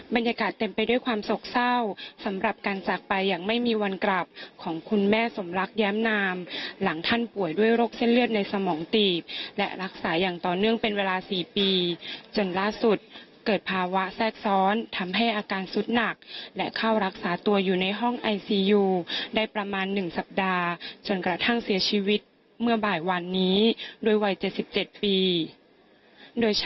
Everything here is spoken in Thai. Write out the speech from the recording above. บรรยากาศเต็มไปด้วยความโศกเศร้าสำหรับการจากไปอย่างไม่มีวันกลับของคุณแม่สมรักแย้มนามหลังท่านป่วยด้วยโรคเส้นเลือดในสมองตีบและรักษาอย่างต่อเนื่องเป็นเวลา๔ปีจนล่าสุดเกิดภาวะแทรกซ้อนทำให้อาการสุดหนักและเข้ารักษาตัวอยู่ในห้องไอซียูได้ประมาณ๑สัปดาห์จนกระทั่งเสียชีวิตเมื่อบ่ายวันนี้โดยวัย๗๗ปีโดยช